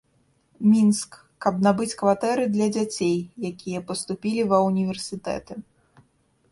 Мінск, каб набыць кватэры, для дзяцей, якія паступілі ва ўніверсітэты.